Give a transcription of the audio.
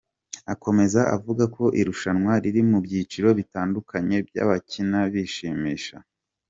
Akomeza avuga ko irushanwa riri mu byiciro bitandukanye by’abakina bishimisha n’ababigize umwuga.